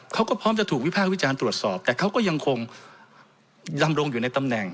เขาก็พร้อมจะถูกวิภาควิจารณ์ตรวจสอบแต่เขาก็ยังคงดำรงอยู่ในตำแหน่ง